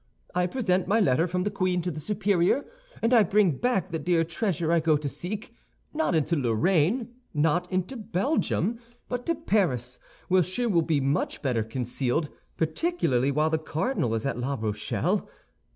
I present my letter from the queen to the superior, and I bring back the dear treasure I go to seek—not into Lorraine, not into Belgium, but to Paris, where she will be much better concealed, particularly while the cardinal is at La Rochelle.